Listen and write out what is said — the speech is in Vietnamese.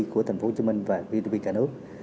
của thành phố hồ chí minh và gdp cả nước